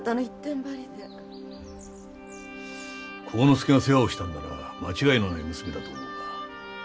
晃之助が世話をしたんだから間違いのない娘だと思うが。